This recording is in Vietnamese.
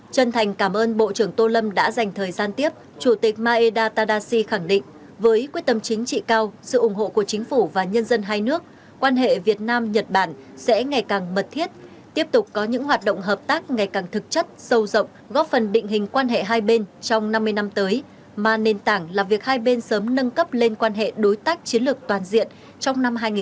chân thành cảm ơn bộ trưởng tô lâm đã dành thời gian tiếp chủ tịch maeda tadashi khẳng định với quyết tâm chính trị cao sự ủng hộ của chính phủ và nhân dân hai nước quan hệ việt nam nhật bản sẽ ngày càng mật thiết tiếp tục có những hoạt động hợp tác ngày càng thực chất sâu rộng góp phần định hình quan hệ hai bên trong năm mươi năm tới mà nền tảng là việc hai bên sớm nâng cấp lên quan hệ đối tác chiến lược toàn diện trong năm hai nghìn hai mươi ba